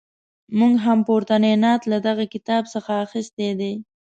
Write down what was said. موږ هم پورتنی نعت له دغه کتاب څخه اخیستی دی.